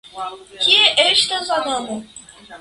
Kie estas Adamo?